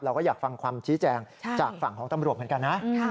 เราก็อยากฟังความชี้แจงจากฝั่งของตำรวจเหมือนกันนะ